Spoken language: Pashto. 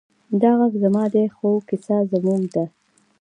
دا غږ زما دی، خو کیسه زموږ ده.